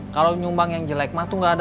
kalo nyumbang yang jelek mah tuh gak ada gunanya